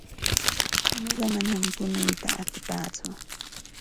Nuqa manam punuyta atipaatsu.